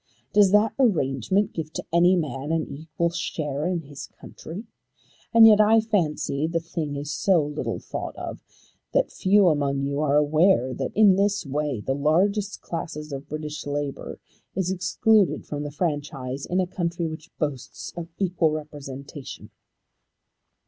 Does that arrangement give to any man an equal share in his country? And yet I fancy that the thing is so little thought of that few among you are aware that in this way the largest class of British labour is excluded from the franchise in a country which boasts of equal representation.